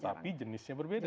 ya tapi jenisnya berbeda